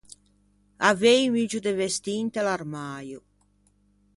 Avei un muggio de vestî inte l’armäio.